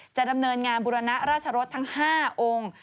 ดำเนินงานบุรณะราชรสทั้ง๕องค์